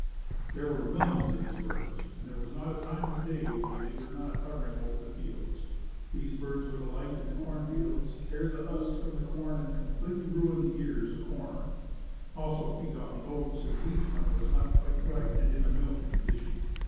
There were millions of these birds and there was not a time of day when they were not hovering over the fields. These birds would alight in the corn fields, tear the husks from the corn and absolutely ruin the ears of corn; also feed on the oats and wheat when it was not quite ripe and in a milky condition.